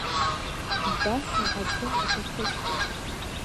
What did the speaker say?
Баша аӡы уҭахысуеит.